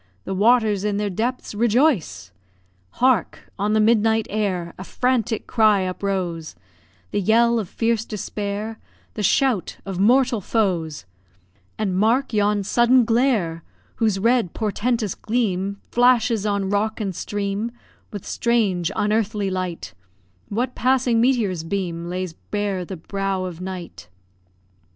The waters in their depths rejoice. Hark! on the midnight air A frantic cry uprose; The yell of fierce despair, The shout of mortal foes; And mark yon sudden glare, Whose red, portentous gleam Flashes on rock and stream With strange, unearthly light; What passing meteor's beam Lays bare the brow of night?